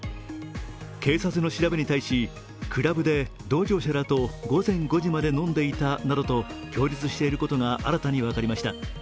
警察の調べに対し、クラブで同乗者らと午前５時まで飲んでいたなどと供述していることが新たに分かりました。